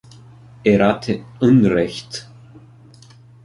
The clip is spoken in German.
Er hatte Unrecht.